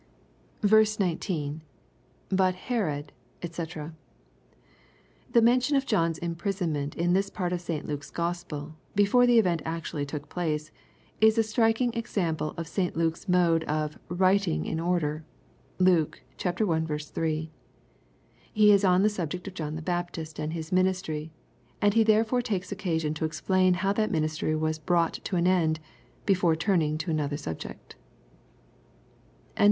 9, — [Bui Elsrodj Sc.] The mention of John's imprisonment, in this part of St. Luke's Gospel, before the event actually took place, is a striking example of St Luke's mode of " writing in order." (Luke i. 3.) He is on the subject of John the Baptist and his ministry, and he therefore takes occasion to explain how that ministry was brough*; to an end, before turning to an other subject. A 100 EXPOSITOBT THOUGHTS.